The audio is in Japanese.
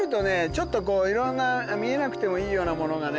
ちょっとこういろんな見えなくてもいいようなものがね。